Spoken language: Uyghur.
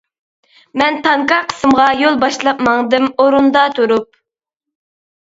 مەن تانكا قىسىمغا يول باشلاپ ماڭدىم ئورۇندا تۇرۇپ.